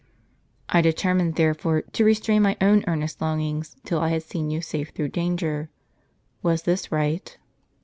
I determined, therefore, to restrain my own earnest longings, till I had seen you safe through danger. Was this right